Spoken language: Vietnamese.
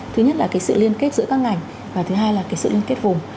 thứ nhất là cái sự liên kết giữa các ngành và thứ hai là cái sự liên kết vùng